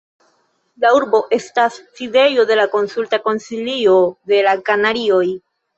La urbo estas sidejo de la Konsulta Konsilio de la Kanarioj.